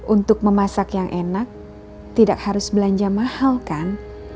untuk memasak yang enak tidak harus belanja mahal kan